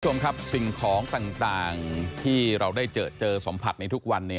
คุณผู้ชมครับสิ่งของต่างที่เราได้เจอเจอสัมผัสในทุกวัน